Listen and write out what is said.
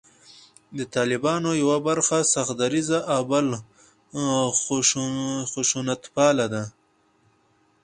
د طالبانو یوه برخه سخت دریځه او خشونتپاله ده